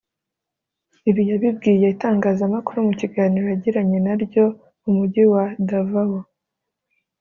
Ibi yabibwiye itangazamakuru mu kiganiro yagiranye na ryo mu mujyi wa Davao